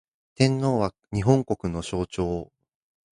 天皇は、日本国の象徴